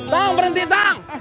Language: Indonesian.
pang berhenti pang